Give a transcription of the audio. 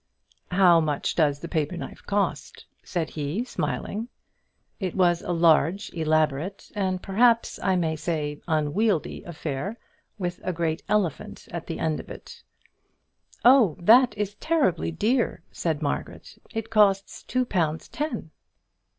"How much does the paper knife cost?" said he, still smiling. It was a large, elaborate, and perhaps, I may say, unwieldy affair, with a great elephant at the end of it. "Oh! that is terribly dear," said Margaret, "it costs two pounds ten."